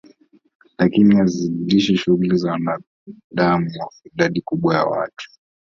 lakini huzidishwa na shughuli za wanadamuKwa idadi kubwa ya watu